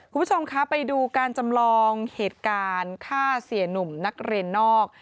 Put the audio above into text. คุณผู้ชมคะไปดูการจำลองเหตุการณ์ฆ่าเสียหนุ่มนักเรียนนอก